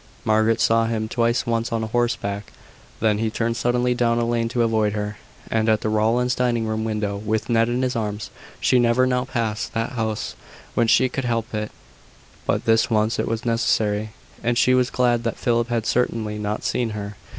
Margaret saw him twice: once on horseback, when he turned suddenly down a lane to avoid her; and at the Rowlands' dining room window, with Ned in his arms. She never now passed that house when she could help it: but this once it was necessary; and she was glad that Philip had certainly not seen her.